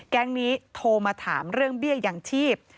แก๊งนี้โทรมาถามเรื่องเบี้ยอย่างชีพ